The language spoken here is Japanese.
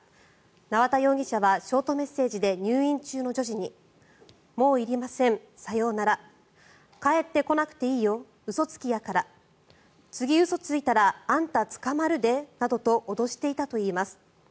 縄田容疑者はショートメッセージで入院中の女児にもういりません、さようならかえってこなくていいようそつきやから次うそついたらあんたつかまるでなどと脅していたといいます。